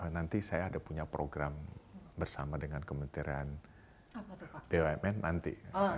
nanti saya ada punya program bersama dengan kementerian bumn nanti